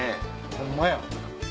ホンマや。